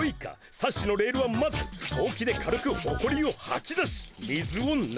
サッシのレールはまずほうきで軽くほこりをはきだし水を流す。